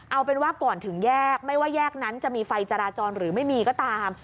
เอาเป็นว่าก่อนถึงแยกไม่ว่าแยกนั้นจะมีไฟจราจรหรือไม่มีก็ตาม